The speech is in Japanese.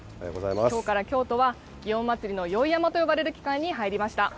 きょうから京都は、祇園祭の宵山と呼ばれる期間に入りました。